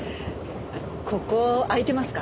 ここ空いてますか？